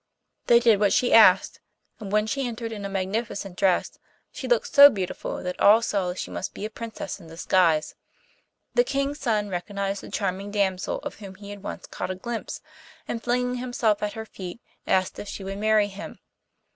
They did what she asked, and when she entered in a magnificent dress, she looked so beautiful that all saw she must be a princess in disguise. The King's son recognized the charming damsel of whom he had once caught a glimpse, and, flinging himself at her feet, asked if she would marry him.